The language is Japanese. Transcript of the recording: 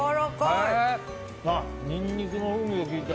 ニンニクの風味が効いて。